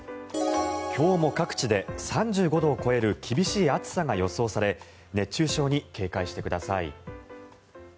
今日も各地で３５度を超える厳しい暑さが予想され熱中症に警戒してください。